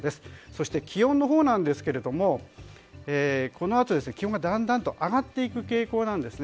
そして気温のほうですがこのあと、気温がだんだんと上がっていく傾向なんです。